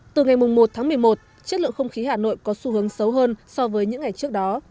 từ ngày một tháng một mươi một chất lượng không khí hà nội có xu hướng xấu hơn so với những ngày trước đó